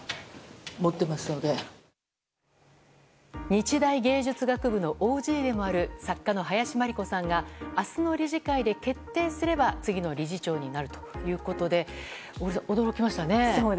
日大芸術学部のＯＧでもある作家の林真理子さんが明日の理事会で決定すれば次の理事長になるということで驚きましたね。